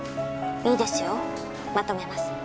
いいですよまとめます。